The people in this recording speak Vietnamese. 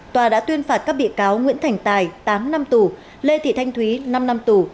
tòa đã tuyên phạt các bị cáo nguyễn thành tài tám năm tù lê thị thanh thúy năm năm tù